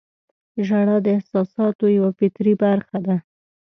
• ژړا د احساساتو یوه فطري برخه ده.